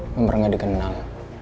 nomor nggak dikenal